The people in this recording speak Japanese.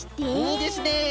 いいですね。